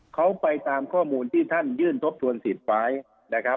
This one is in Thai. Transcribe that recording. เขาไปตามข้อมูลที่ท่านยื่นทบทวนสิทธิ์ไว้นะครับ